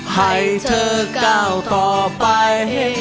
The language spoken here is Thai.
ให้เธอก้าวต่อไป